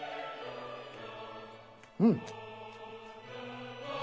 うん！